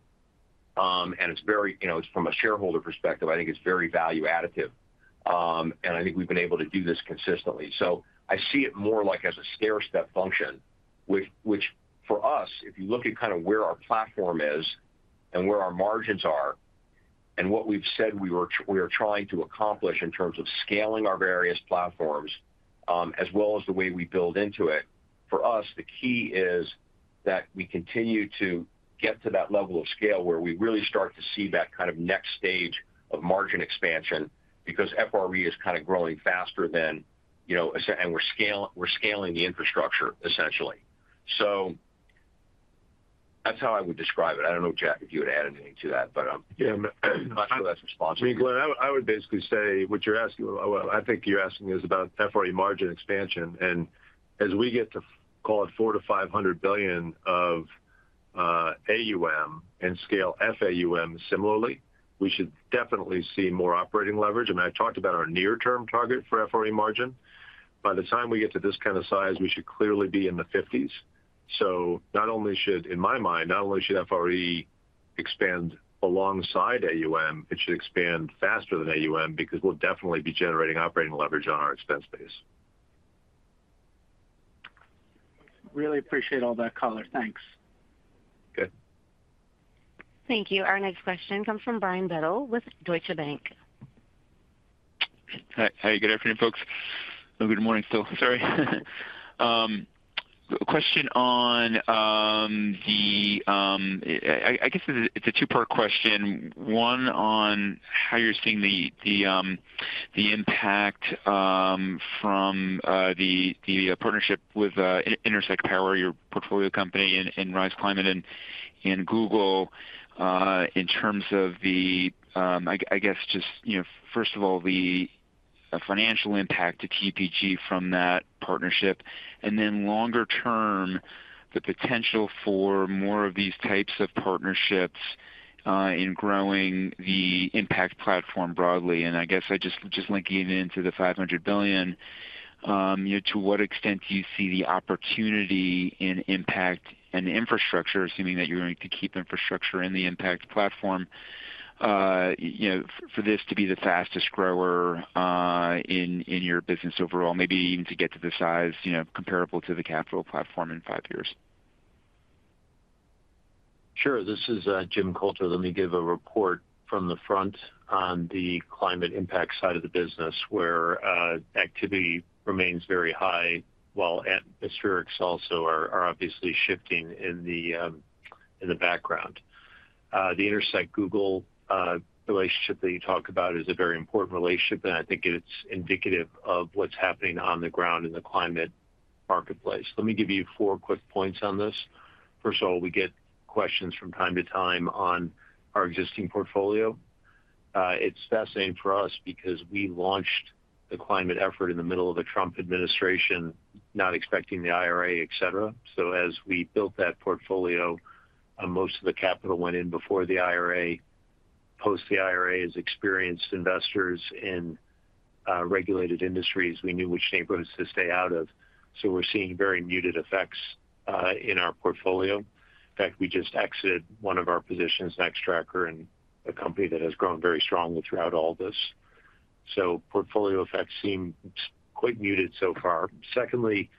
It's very clear from a shareholder perspective. I think it's very value additive. I think we've been able to do this consistently. I see it more like as a stair step function, which for us, if you look at kind of where our platform is and where our margins are and what we've said we are trying to accomplish in terms of scaling our various platforms as well as the way we build into it. For us, the key is that we continue to get to that level of scale where we really start to see that kind of next stage of margin expansion because FRE is kind of growing faster than and we're scaling the infrastructure, essentially. That's how I would describe it. I don't know, Jack, if you would add anything to that, but I'm not sure that's responsible. I mean, Glenn, I would basically say what you're asking about, well, I think you're asking is about FRE margin expansion. And as we get to, call it, $400-$500 billion of AUM and scale FAUM similarly, we should definitely see more operating leverage. And I talked about our near-term target for FRE margin. By the time we get to this kind of size, we should clearly be in the 50s. So not only should, in my mind, not only should FRE expand alongside AUM, it should expand faster than AUM because we'll definitely be generating operating leverage on our expense base. Really appreciate all that, color. Thanks. Okay. Thank you. Our next question comes from Brian Bedell with Deutsche Bank. Hi. Hey, good afternoon, folks. No, good morning still. Sorry. Question on the I guess it's a two-part question. One on how you're seeing the impact from the partnership with Intersect Power, your portfolio company in Rise Climate and Google in terms of the, I guess, just first of all, the financial impact to TPG from that partnership. And then longer term, the potential for more of these types of partnerships in growing the impact platform broadly. And I guess I just link you into the $500 billion. To what extent do you see the opportunity in impact and infrastructure, assuming that you're going to keep infrastructure in the impact platform, for this to be the fastest grower in your business overall, maybe even to get to the size comparable to the capital platform in five years? Sure. This is Jim Coulter. Let me give a report from the front on the climate impact side of the business, where activity remains very high while atmospherics also are obviously shifting in the background. The Intersect Power-Google relationship that you talk about is a very important relationship, and I think it's indicative of what's happening on the ground in the climate marketplace. Let me give you four quick points on this. First of all, we get questions from time to time on our existing portfolio. It's fascinating for us because we launched the climate effort in the middle of the Trump administration, not expecting the IRA, etc. So as we built that portfolio, most of the capital went in before the IRA. Post the IRA, as experienced investors in regulated industries, we knew which neighborhoods to stay out of. So we're seeing very muted effects in our portfolio. In fact, we just exited one of our positions, Nextracker, and a company that has grown very strongly throughout all this. So portfolio effects seem quite muted so far. Secondly,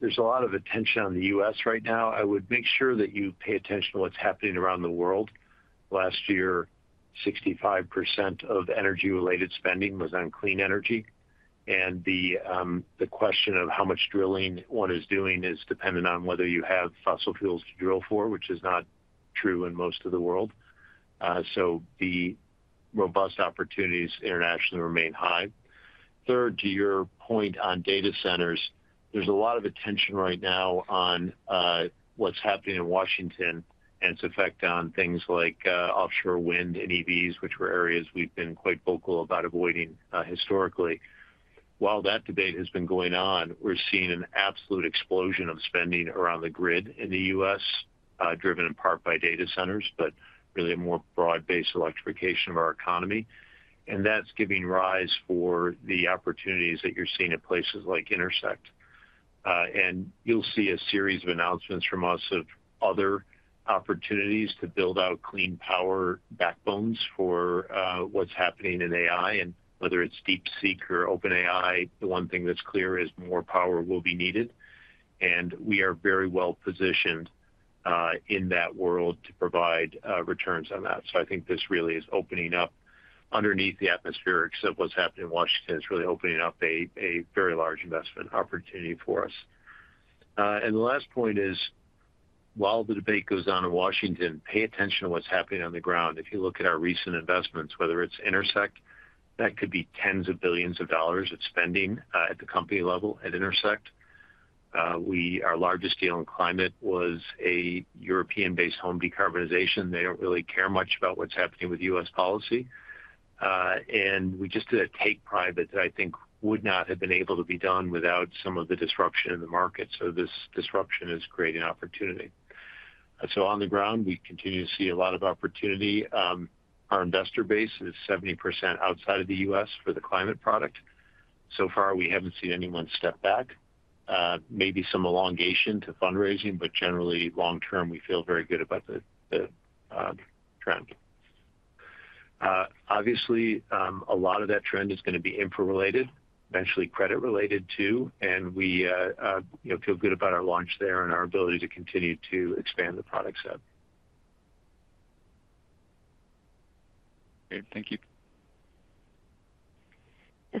there's a lot of attention on the U.S. right now. I would make sure that you pay attention to what's happening around the world. Last year, 65% of energy-related spending was on clean energy, and the question of how much drilling one is doing is dependent on whether you have fossil fuels to drill for, which is not true in most of the world. So the robust opportunities internationally remain high. Third, to your point on data centers, there's a lot of attention right now on what's happening in Washington and its effect on things like offshore wind and EVs, which were areas we've been quite vocal about avoiding historically. While that debate has been going on, we're seeing an absolute explosion of spending around the grid in the U.S., driven in part by data centers, but really a more broad-based electrification of our economy. And that's giving rise for the opportunities that you're seeing in places like Intersect. And you'll see a series of announcements from us of other opportunities to build out clean power backbones for what's happening in AI, and whether it's DeepSeek or OpenAI, the one thing that's clear is more power will be needed. And we are very well positioned in that world to provide returns on that. So I think this really is opening up underneath the atmospherics of what's happening in Washington is really opening up a very large investment opportunity for us. And the last point is, while the debate goes on in Washington, pay attention to what's happening on the ground. If you look at our recent investments, whether it's Intersect, that could be tens of billions of dollars of spending at the company level at Intersect. Our largest deal in climate was a European-based home decarbonization. They don't really care much about what's happening with U.S. policy, and we just did a take-private that I think would not have been able to be done without some of the disruption in the market. This disruption is creating opportunity, so on the ground, we continue to see a lot of opportunity. Our investor base is 70% outside of the U.S. for the climate product. So far, we haven't seen anyone step back. Maybe some elongation to fundraising, but generally, long term, we feel very good about the trend. Obviously, a lot of that trend is going to be infra-related, eventually credit-related too. And we feel good about our launch there and our ability to continue to expand the products there. Okay. Thank you.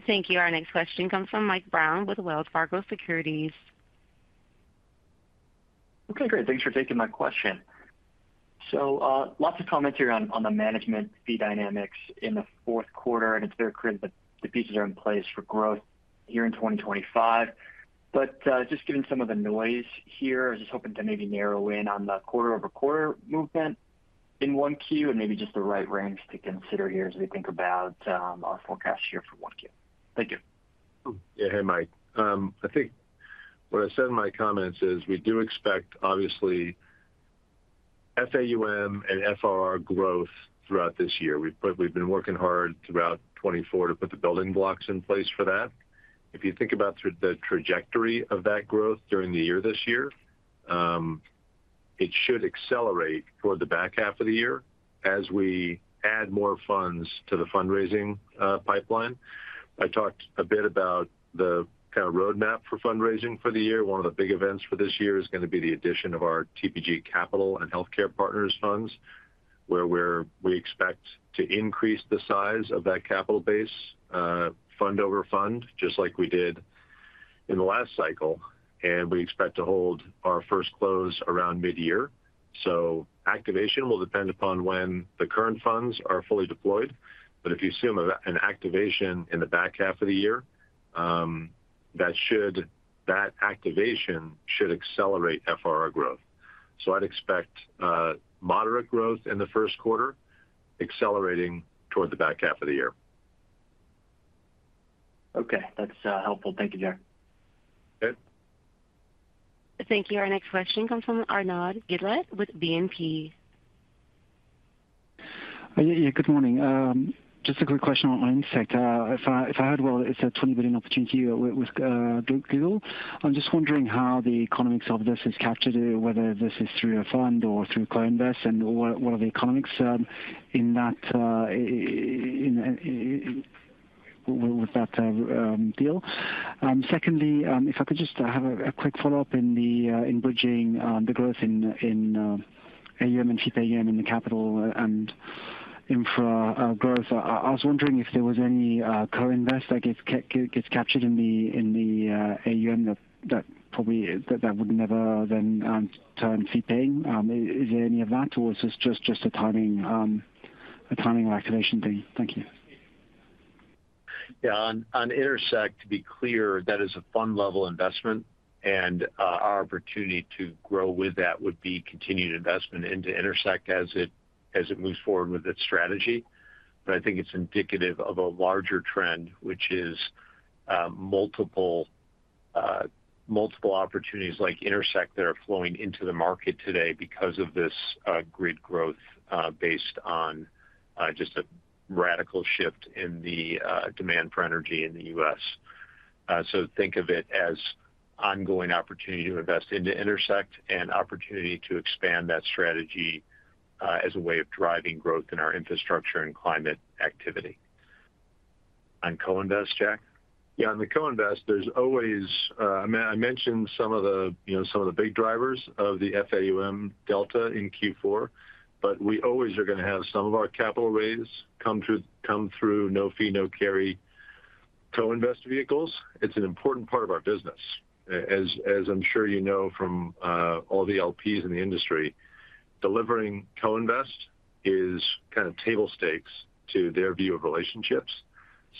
Thank you. Our next question comes from Mike Brown with Wells Fargo Securities. Okay. Great. Thanks for taking my question. So lots of commentary on the management fee dynamics in the fourth quarter, and it's very clear that the pieces are in place for growth here in 2025. But just given some of the noise here, I was just hoping to maybe narrow in on the quarter-over-quarter movement in 1Q and maybe just the right range to consider here as we think about our forecast year for 1Q. Thank you. Yeah. Hey, Mike. I think what I said in my comments is we do expect, obviously, FAUM and FRE growth throughout this year. We've been working hard throughout 2024 to put the building blocks in place for that. If you think about the trajectory of that growth during the year this year, it should accelerate toward the back half of the year as we add more funds to the fundraising pipeline. I talked a bit about the kind of roadmap for fundraising for the year. One of the big events for this year is going to be the addition of our TPG Capital and TPG Healthcare Partners funds, where we expect to increase the size of that capital base, fund over fund, just like we did in the last cycle. And we expect to hold our first close around mid-year. So activation will depend upon when the current funds are fully deployed. But if you assume an activation in the back half of the year, that activation should accelerate FRR growth. So I'd expect moderate growth in the first quarter, accelerating toward the back half of the year. Okay. That's helpful. Thank you, Jack. Okay. Thank you. Our next question comes from Arnaud Giblat with BNP. Good morning. Just a quick question on Intersect. If I heard well, it's a $20 billion opportunity with Google. I'm just wondering how the economics of this is captured, whether this is through a fund or through co-invest and what are the economics in that deal. Secondly, if I could just have a quick follow-up in bridging the growth in AUM and fee-paying in the capital and infra growth. I was wondering if there was any co-invest that gets captured in the AUM that would never then turn fee-paying. Is there any of that, or is this just a timing or activation thing? Thank you. Yeah. On Intersect, to be clear, that is a fund-level investment. And our opportunity to grow with that would be continued investment into Intersect as it moves forward with its strategy. But I think it's indicative of a larger trend, which is multiple opportunities like Intersect that are flowing into the market today because of this grid growth based on just a radical shift in the demand for energy in the U.S. So think of it as ongoing opportunity to invest into Intersect and opportunity to expand that strategy as a way of driving growth in our infrastructure and climate activity. On co-invest, Jack? Yeah. On the co-invest, there's always, I mentioned some of the big drivers of the FAUM delta in Q4, but we always are going to have some of our capital raise come through no-fee, no-carry co-invest vehicles. It's an important part of our business. As I'm sure you know from all the LPs in the industry, delivering co-invest is kind of table stakes to their view of relationships.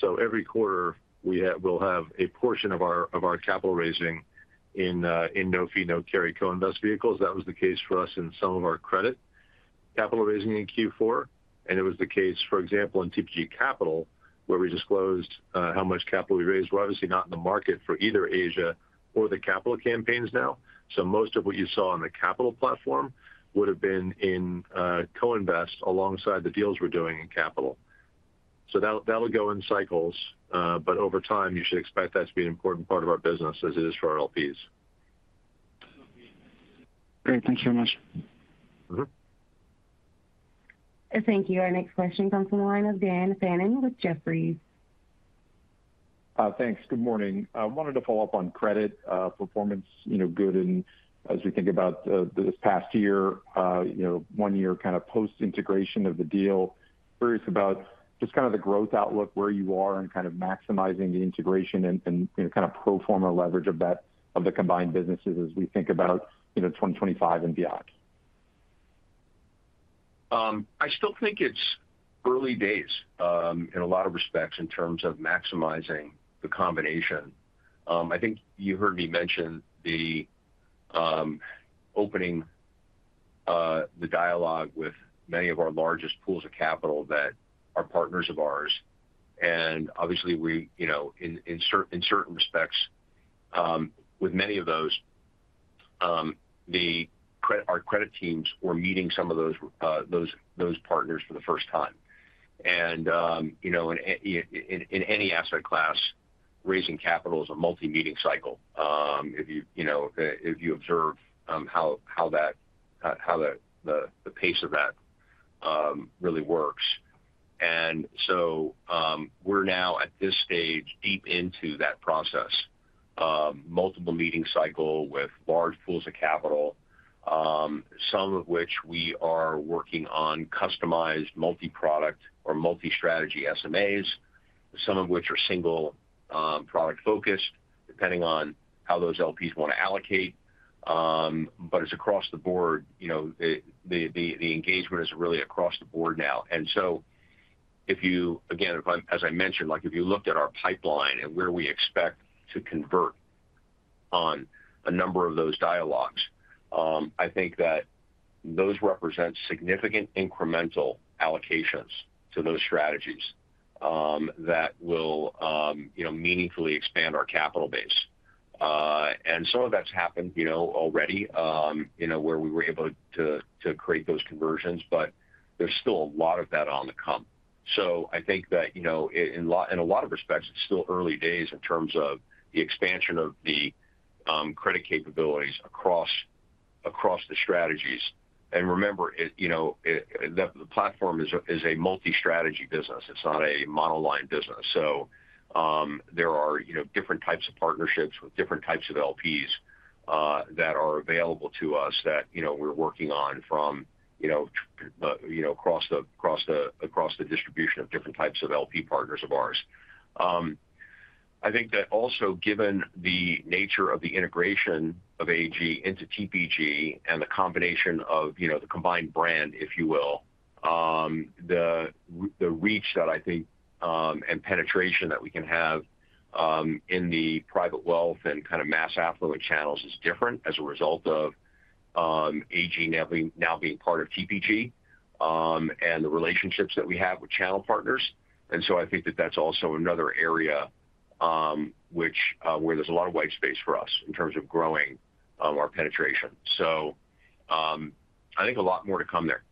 So every quarter, we will have a portion of our capital raising in no-fee, no-carry co-invest vehicles. That was the case for us in some of our credit capital raising in Q4. And it was the case, for example, in TPG Capital, where we disclosed how much capital we raised. We're obviously not in the market for either Asia or the capital campaigns now. So most of what you saw on the capital platform would have been in co-invest alongside the deals we're doing in capital. So that will go in cycles. But over time, you should expect that to be an important part of our business as it is for our LPs. Great. Thank you very much. Thank you. Our next question comes from the line of Dan Fannon with Jefferies. Thanks. Good morning. I wanted to follow up on credit performance. Good. And as we think about this past year, one year kind of post-integration of the deal, curious about just kind of the growth outlook, where you are in kind of maximizing the integration and kind of pro forma leverage of the combined businesses as we think about 2025 and beyond. I still think it's early days in a lot of respects in terms of maximizing the combination. I think you heard me mention opening the dialogue with many of our largest pools of capital that are partners of ours. And obviously, in certain respects, with many of those, our credit teams were meeting some of those partners for the first time. And in any asset class, raising capital is a multi-meeting cycle if you observe how the pace of that really works. And so we're now at this stage deep into that process, multiple meeting cycle with large pools of capital, some of which we are working on customized multi-product or multi-strategy SMAs, some of which are single-product focused, depending on how those LPs want to allocate. But it's across the board. The engagement is really across the board now. And so again, as I mentioned, if you looked at our pipeline and where we expect to convert on a number of those dialogues, I think that those represent significant incremental allocations to those strategies that will meaningfully expand our capital base. And some of that's happened already, where we were able to create those conversions, but there's still a lot of that on the come. So I think that in a lot of respects, it's still early days in terms of the expansion of the credit capabilities across the strategies. And remember, the platform is a multi-strategy business. It's not a monoline business. So there are different types of partnerships with different types of LPs that are available to us that we're working on from across the distribution of different types of LP partners of ours. I think that also, given the nature of the integration of AG into TPG and the combination of the combined brand, if you will, the reach that I think and penetration that we can have in the private wealth and kind of mass affluent channels is different as a result of AG now being part of TPG and the relationships that we have with channel partners. And so I think that that's also another area where there's a lot of white space for us in terms of growing our penetration. So I think a lot more to come there.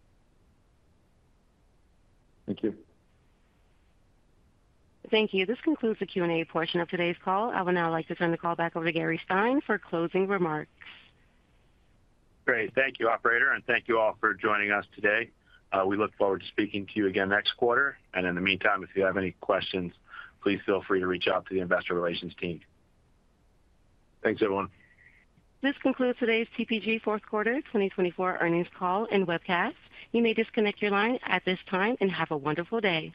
Thank you. Thank you. This concludes the Q&A portion of today's call. I would now like to turn the call back over to Gary Stein for closing remarks. Great. Thank you, Operator. And thank you all for joining us today. We look forward to speaking to you again next quarter. And in the meantime, if you have any questions, please feel free to reach out to the investor relations team. Thanks, everyone. This concludes today's TPG fourth quarter 2024 earnings call in webcast. You may disconnect your line at this time and have a wonderful day.